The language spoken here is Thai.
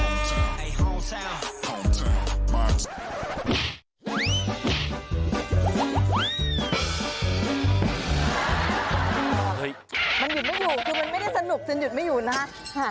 มันหยุดไม่อยู่คือมันไม่ได้สนุกเซ็นหยุดไม่อยู่นะฮะ